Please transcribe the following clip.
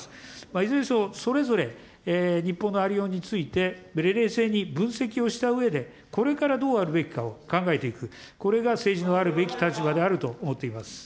いずれにしても、それぞれ、日本のありようについて、冷静に分析をしたうえで、これからどうあるべきかを考えていく、これが政治のあるべき立場であると思っています。